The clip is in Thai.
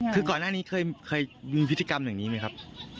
คือก่อนหน้านี้เคยมีพฤติกรรมอย่างนี้ไหมครับ